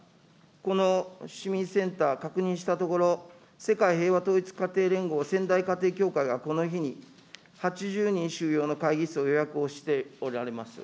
この市民センター、確認したところ、世界平和統一家庭連合仙台家庭きょうかいがこの日に８０人収容の会議室を予約しておられます。